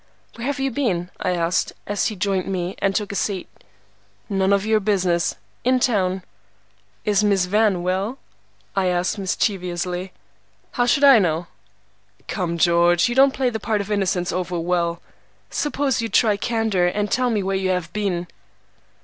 "Where have you been?" I asked, as he joined me and took a seat. "None of your business. In town." "Is Miss Van well?" I asked mischievously. "How should I know?" "Come, George, you don't play the part of Innocence over well. Suppose you try Candor, and tell me where you have been."